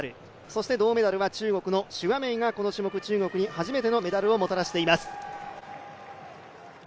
そして銅メダルは中国の朱亜明が、この種目中国に初めてのメダルをもたらしています。